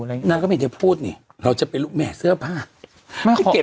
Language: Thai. อะไรอย่างงี้นางก็ไม่ได้พูดนี่เราจะไปลุกแม่เสื้อผ้าไม่เก็บ